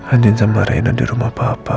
andin sama rayana dirumah papa berarti sudah aman